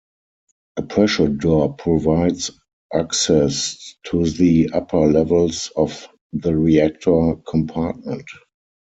A pressure door provides access to the upper levels of the reactor compartment.